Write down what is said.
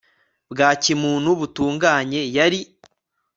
bwa kimuntu butunganye yari